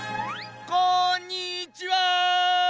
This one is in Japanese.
こんにちは！